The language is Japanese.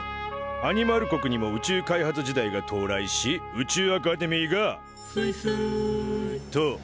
アニマル国にも宇宙開発時代が到来し宇宙アカデミーが「すいすい」と誕生。